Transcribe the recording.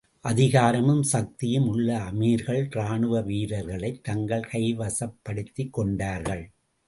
அதிகாரமும் சக்தியும் உள்ள அமீர்கள் ராணுவ வீரர்களைத் தங்கள் கைவசப் படுத்திக் கொண்டார்கள்.